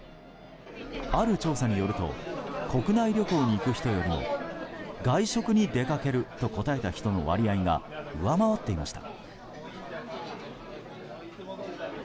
ある調査によると国内旅行に行く人よりも外食に出かけると答えた人の割合が上回っていました。